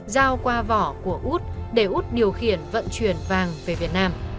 giao qua vỏ của út để út điều khiển vận chuyển vàng về việt nam